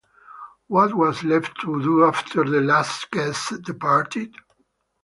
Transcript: What was left to do after the last guest departed?